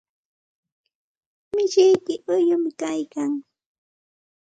Mishiyki uyumi kaykan.